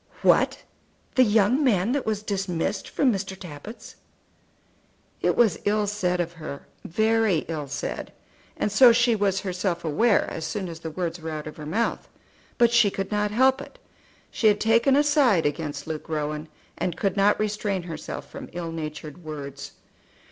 "What! the young man that was dismissed from Mr. Tappitt's?" It was ill said of her, very ill said, and so she was herself aware as soon as the words were out of her mouth. But she could not help it. She had taken a side against Luke Rowan, and could not restrain herself from ill natured words.